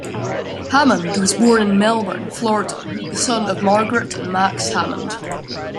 Hammond was born in Melbourne, Florida, the son of Margaret and Max Hammond.